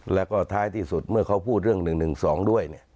แล้วก็ท้ายที่สุดเมื่อเขาพูดเรื่อง๑๑๒ด้วย